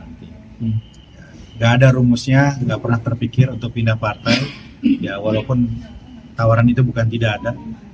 tidak ada rumusnya nggak pernah terpikir untuk pindah partai walaupun tawaran itu bukan tidak ada